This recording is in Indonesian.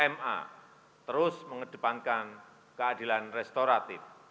ma terus mengedepankan keadilan restoratif